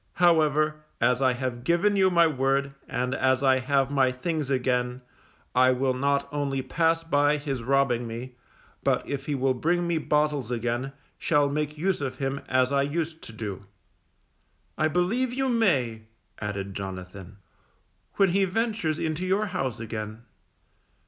However, as I have given you my word, and as I have my things again, I will not only pass by his robbing me, but if he will bring me bottles again, shall make use of him as I used to do. I believe you may_, added Jonathan, _when he ventures into your house again.